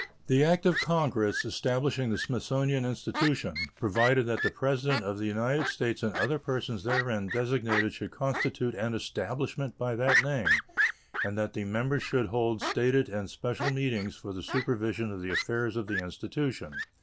The act of Congress establishing the Smithsonian Institution provided that the President of the United States and other persons therein designated should constitute an "establishment" by that name, and that the members should hold stated and special meetings for the supervision of the affairs of the Institution.